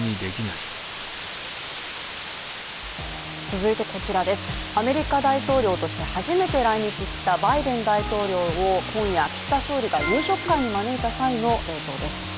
続いてこちらです、アメリカ大統領として初めて来日したバイデン大統領を今夜、岸田総理が夕食会に招いた際の映像です。